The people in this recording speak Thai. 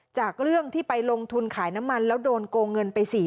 จากเรื่องที่ไปลงทุนขายน้ำมันแล้วโดนโกงเงินไป๔๐๐